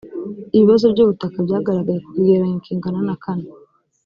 ibibazo by ubutaka byagaragaye ku kigereranyo kingana nakane